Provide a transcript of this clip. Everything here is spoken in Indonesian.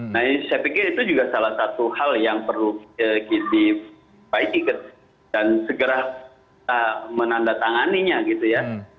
nah saya pikir itu juga salah satu hal yang perlu dikisip baik baik dan segera menandatanganinya gitu ya